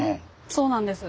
そうなんです。